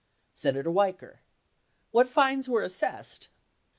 Senator Weicker. What fines were assessed